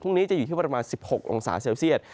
นี้จะอยู่ที่ประมาณ๑๖องศาเซลเซียต